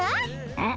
うん。